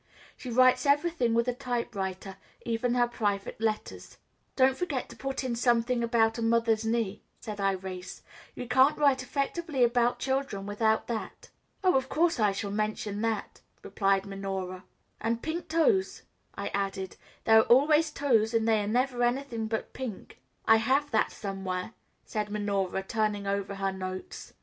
She writes everything with a typewriter, even her private letters. "Don't forget to put in something about a mother's knee," said Irais; "you can't write effectively about children without that." "Oh, of course I shall mention that," replied Minora. "And pink toes," I added. "There are always toes, and they are never anything but pink." "I have that somewhere," said Minora, turning over her notes.